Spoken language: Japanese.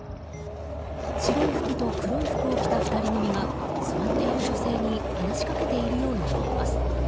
白い服と黒い服を着た２人組が座っている女性に話しかけているように見えます。